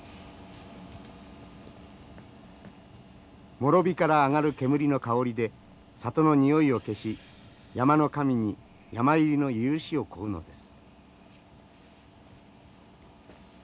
もろ火から上がる煙の香りで里のにおいを消し山の神に山入りの許しを請うのです。